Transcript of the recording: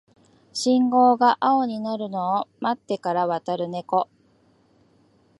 信号が青になるのを待ってから渡るネコ